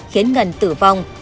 khiến ngân tử vong